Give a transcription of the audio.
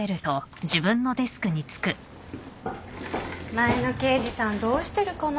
前の刑事さんどうしてるかな？